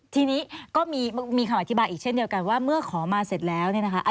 ทีนี้ก็มีคำอธิบายอีกเช่นเดียวกันว่าเมื่อขอมาเสร็จแล้วเนี่ยนะคะ